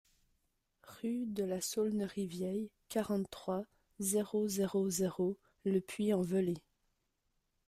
Rue de la Saulnerie Vieille, quarante-trois, zéro zéro zéro Le Puy-en-Velay